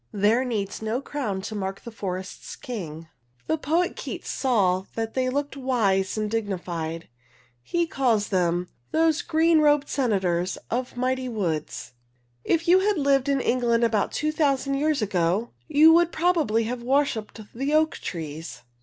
There needs no crown to mark the forest's king. The poet Keats saw that they looked wise and dignified. He calls them Those green rob'd senators of mighty woods. If you had lived in England about two thousand years ago, you would probably have worshiped the oak trees.